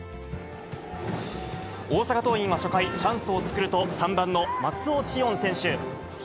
大阪桐蔭は初回、チャンスを作ると、３番の松尾しおん選手。